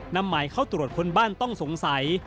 นำหมายเข้าตรวจค้นบ้านต้องสงสัย